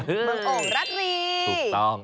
มึงอกราธรีถูกต้อง